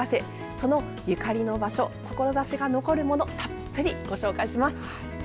そのゆかりの場所、志が残るものたっぷりご紹介します。